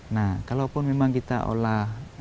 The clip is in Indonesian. nah kalaupun memang kita olah